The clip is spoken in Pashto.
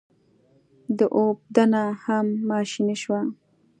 د اوبدنه هم ماشیني شوه.